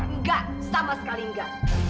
enggak sama sekali enggak